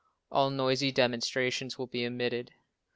All noisy demonstrations will be omitted.